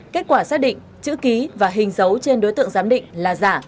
kết quả xác định chữ ký và hình dấu trên đối tượng giám định là giả